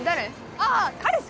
ああ彼氏